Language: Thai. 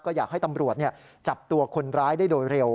อยากให้ตำรวจจับตัวคนร้ายได้โดยเร็ว